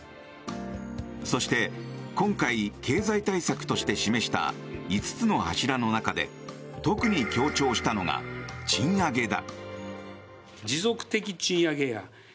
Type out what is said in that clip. そして今回経済対策として示した５つの柱の中で特に強調したのが賃上げだ。